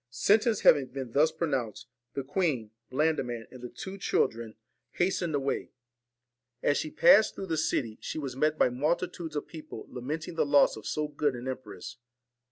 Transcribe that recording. Sentence having been thus pronounced, the queen, Blandiman, and the two children, VALEN hastened away. As she passed through the city, TINE AND she was met by multitudes of people lamenting the ORSON joss O f so g 00 d an empress.